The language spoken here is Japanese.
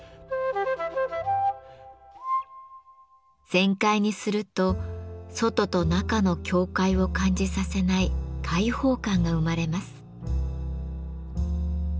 全開にすると外と中の境界を感じさせない開放感が生まれます。